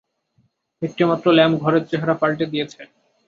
একটিমাত্র ল্যাম্প ঘরের চেহারা পালটে দিয়েছে।